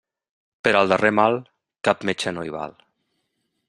Per al darrer mal, cap metge no hi val.